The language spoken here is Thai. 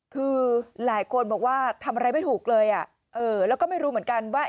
คือหลายคนบอกว่าทำอะไรไม่ถูกเลยแล้วก็ไม่รู้เหมือนกันว่า